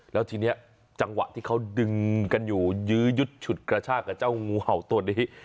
แล้วทีนี้จังหวะที่เขาดึงกันอยู่ยื้อยุดฉุดกระชากกับเจ้างูเห่าตัวนี้